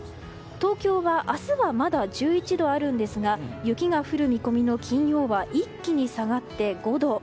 東京は明日はまだ１１度あるんですが雪が降る見込みの金曜は一気に下がって５度。